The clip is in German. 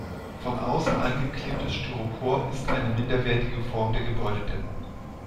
Von außen angeklebtes Styropor ist eine minderwertige Form der Gebäudedämmung.